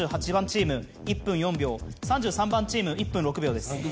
４８番チーム１分４秒３３番チーム１分６秒です。